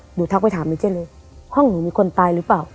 หนูถับไปถามนี่เจ้าเลยห้องอนุมีคนตายหรือเปล่า